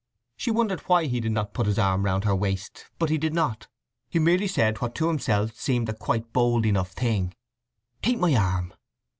She wondered why he did not put his arm round her waist, but he did not; he merely said what to himself seemed a quite bold enough thing: "Take my arm."